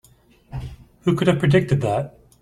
Who could have predicted that?